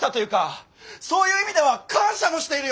そういう意味では感謝もしているよ！